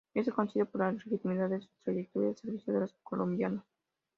Es reconocido por la legitimidad de su trayectoria al servicio de los colombianos.